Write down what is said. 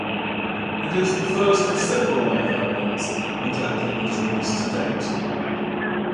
It is the first of several live albums McLachlan has released to date.